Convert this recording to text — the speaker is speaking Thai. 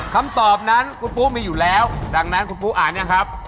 คำตอบนั้นคุณปุ๊มีอยู่แล้วดังนั้นคุณปุ๊อ่านเนี่ยครับ